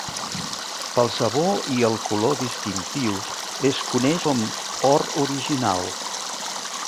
Pel sabor i el color distintius es coneix com "or original".